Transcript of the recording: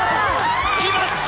きました！